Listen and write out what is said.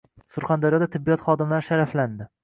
Surxondaryoda tibbiyot xodimlari sharaflandi